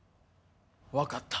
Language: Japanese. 分かった。